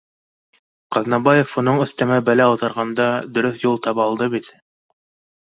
Ҡаҙнабаев уның әҫтәмә бәлә ауҙарғанда, дөрөҫ юл таба алды бит